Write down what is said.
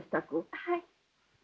はい。